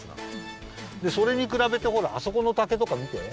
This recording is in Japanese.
でそれにくらべてほらあそこの竹とかみて。